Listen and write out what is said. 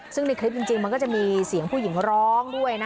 ซึ่งในคลิปจริงมันก็จะมีเสียงผู้หญิงร้องด้วยนะ